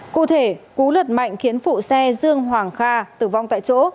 cụ thể cú lượt mạnh khiến phụ xe dương hoàng kha tử vong tại chỗ